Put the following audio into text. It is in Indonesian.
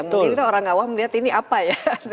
mungkin kita orang awam melihat ini apa ya